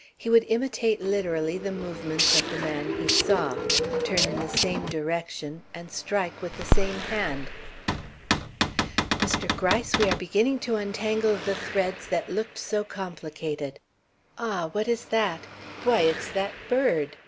He would imitate literally the movements of the man he saw, turn in the same direction and strike with the same hand." "Mr. Gryce, we are beginning to untangle the threads that looked so complicated. Ah, what is that? Why, it's that bird!